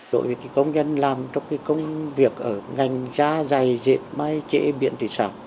đội công nhân làm công việc ở ngành da dày diệt may chế biến thủy sản